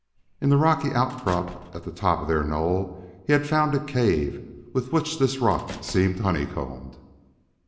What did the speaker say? In the rocky outcrop at the top of their knoll he had found a cave with which this rock seemed honeycombed.